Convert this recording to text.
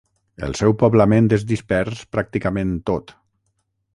El seu poblament és dispers pràcticament tot.